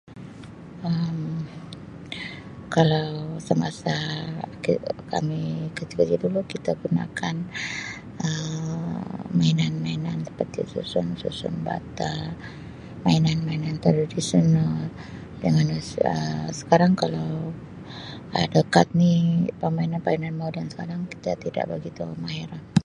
Um Kalau semasa kami kecil-kecil dulu kita gunakan[Um] mainan-mainan seperti susun susun bata mainan-mainan tradisional [unintelligible] dan sekarang kalau ada kad ni permainan-permainan moden sekarang ni kita tidak begitu mahir.